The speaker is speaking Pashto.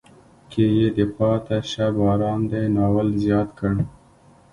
کې یې د پاتې شه باران دی ناول زیات کړ.